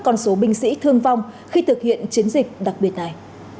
con số binh sĩ thương vong khi thực hiện chiến dịch đặc biệt này